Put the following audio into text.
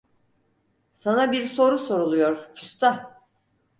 Sana bir soru soruluyor, küstah!